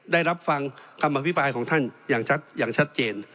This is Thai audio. ได้รับฟังคำอภิปรายของท่านอย่างชัดเจน